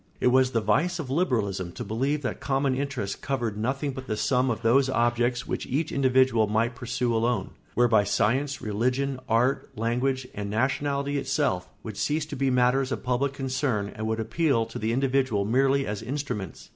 It was the vice of liberalism to believe that common interests covered nothing but the sum of those objects which each individual might pursue alone; whereby science, religion, art, language, and nationality itself would cease to be matters of public concern and would appeal to the individual merely as instruments.